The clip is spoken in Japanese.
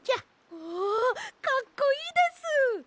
わあかっこいいです。